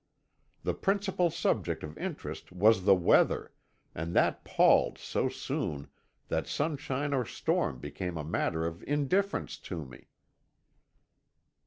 The principal subject of interest was the weather, and that palled so soon that sunshine or storm became a matter of indifference to me."